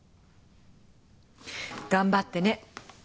頑張ってね。